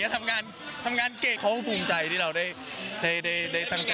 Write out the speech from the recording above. ทำงานเก่งเขาภูมิใจที่เราได้ตั้งใจ